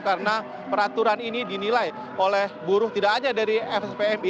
karena peraturan ini dinilai oleh buruh tidak hanya dari fspmi